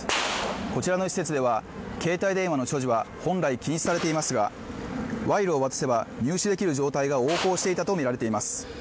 こちらの施設では携帯電話の所持は本来禁止されていますが賄賂を渡せば入手できる状態が横行していたとみられています